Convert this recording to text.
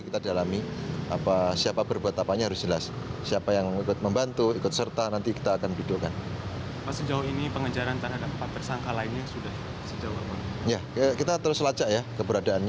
kita langsung proses sehukumnya berlaku